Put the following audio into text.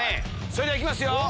それでは行きますよ。